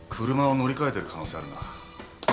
車を乗り換えてる可能性あるな。